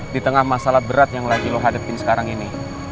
di tengah masalah berat yang lagi lo hadapin sekarang ini